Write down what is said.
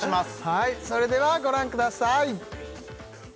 はいそれではご覧ください